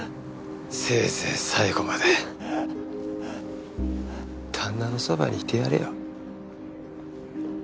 せいぜい最期まで旦那のそばにいてやれよ。